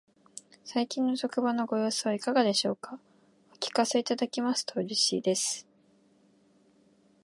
最近の職場のご様子はいかがでしょうか。お聞かせいただけますと嬉しいです。